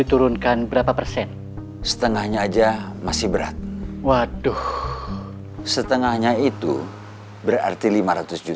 mungkin tidak lazim